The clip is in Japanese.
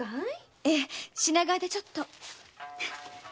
ええ品川でちょっと。